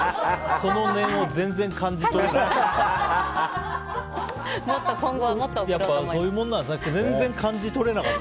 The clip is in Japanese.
その念を全然感じ取れなかった。